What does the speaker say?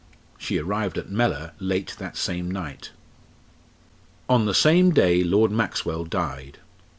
She arrived at Mellor late that same night. On the same day Lord Maxwell died.